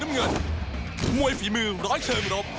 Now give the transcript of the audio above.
เงินมวยฝีมือร้อยเชิงรบ